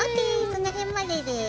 その辺までです。